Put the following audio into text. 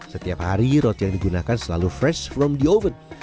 setiap hari roti yang digunakan selalu fresh from the oven